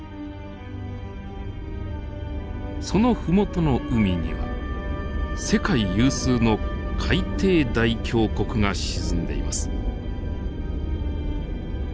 その麓の海には世界有数の海底大峡谷が沈んでいます。